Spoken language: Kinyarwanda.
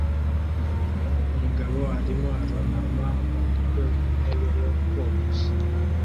Umugabo arimo arunama umutwe mu ntebe yo kogosha